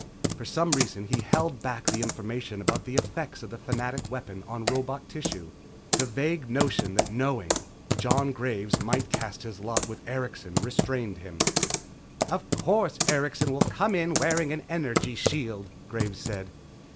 For some reason he held back the information about the effect of the Fanatic weapon on robot tissue. The vague notion that knowing, Jon Graves might cast his lot with Erikson, restrained him. "Of course, Erikson will come in wearing an energy shield," Graves said.